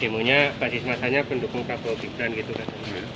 demonya basis masanya pendukung prabowo gibran gitu kan